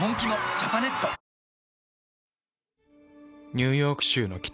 ニューヨーク州の北。